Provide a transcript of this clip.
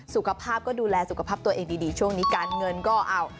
สุขภาพก็ดูแลสุขภาพตัวเองดีช่วงนี้การเงินก็เอา